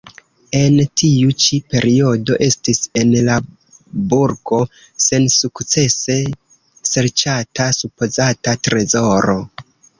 En tiu ĉi periodo estis en la burgo sensukcese serĉata supozata trezoro.